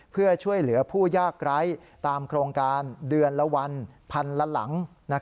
เพื่อช่วยเหลือผู้ยากไร้ตามโครงการเดือนละวันพันละหลัง